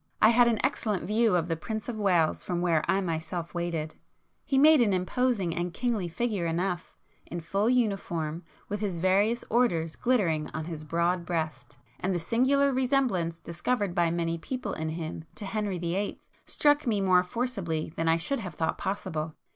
I had an excellent view of the Prince of Wales from where I myself waited; he made an imposing and kingly figure enough, in full uniform with his various Orders glittering on his broad breast; and the singular resemblance discovered by many people in him to Henry VIII. struck me more forcibly than I should have thought possible.